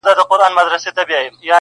چي راضي راڅخه روح د خوشحال خان سي-